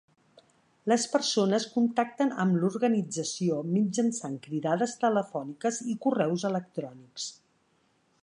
Les persones contacten amb l'organització mitjançant cridades telefòniques i correus electrònics.